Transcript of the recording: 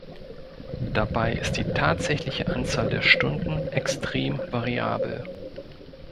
Dabei ist die tatsächliche Anzahl der Stunden extrem variabel.